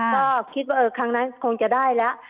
ก็คิดว่าครั้งนั้นคงจะได้แล้ว